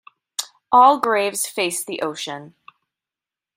All graves face the ocean.